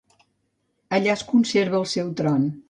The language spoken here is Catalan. Allà es conserva el seu tron.